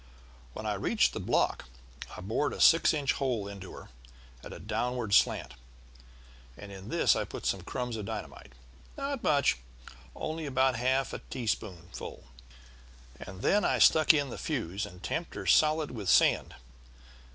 "When I reached the block I bored a six inch hole into her at a downward slant, and in this I put some crumbs of dynamite, not much, only about half a teaspoonful, and then I stuck in the fuse and tamped her solid with sand.